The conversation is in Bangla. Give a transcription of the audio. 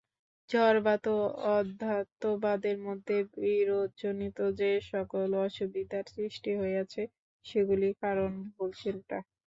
জড়বাদ ও অধ্যাত্মবাদের মধ্যে বিরোধজনিত যে-সকল অসুবিধার সৃষ্টি হইয়াছে, সেগুলির কারণ ভুল চিন্তা।